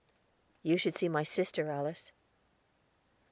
"You should see my sister, Alice."